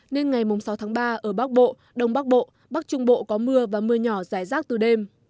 nên ngày sáu tháng ba ở bắc bộ đông bắc bộ bắc trung bộ có mưa và mưa nhỏ rải rác từ đêm